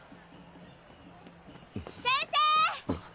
先生！